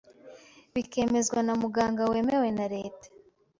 bikemezwa na muganga wemewe na Leta ;